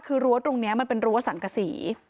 คือรั้วตรงนี้มันเป็นรั้วสังกษี